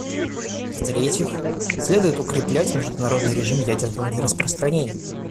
В-третьих, следует укреплять международный режим ядерного нераспространения.